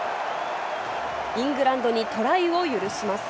イングランドにトライを許します。